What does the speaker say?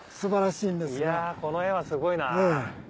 いやこの画はすごいな。